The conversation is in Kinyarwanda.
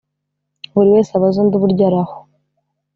buri wese abaze undi uburyo araho.